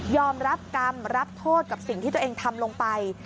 รับกรรมรับโทษกับสิ่งที่ตัวเองทำลงไป